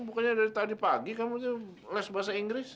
bukannya dari tadi pagi kamu les bahasa inggris